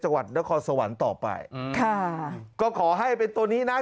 จังหวัดนครสวรรค์ต่อไปอืมค่ะก็ขอให้เป็นตัวนี้นะ